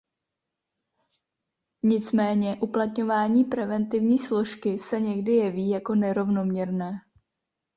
Nicméně, uplatňování preventivní složky se někdy jeví jako nerovnoměrné.